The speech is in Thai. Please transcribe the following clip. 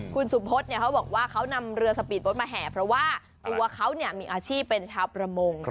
คุณสุพธเขาบอกว่าเขานำเรือสปีดโบ๊ทมาแห่เพราะว่าตัวเขามีอาชีพเป็นชาวประมง